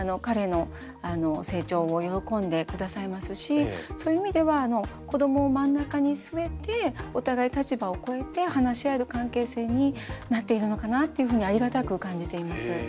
彼の成長を喜んで下さいますしそういう意味では子どもを真ん中に据えてお互い立場を超えて話し合える関係性になっているのかなっていうふうにありがたく感じています。